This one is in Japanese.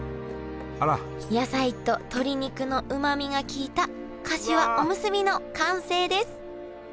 野菜と鶏肉のうまみが効いたかしわおむすびの完成です